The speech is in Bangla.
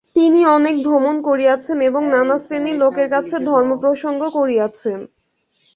তিনি অনেক ভ্রমণ করিয়াছেন এবং নানাশ্রেণীর লোকের কাছে ধর্মপ্রসঙ্গ করিয়াছেন।